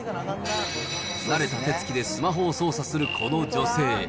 慣れた手つきでスマホを操作するこの女性。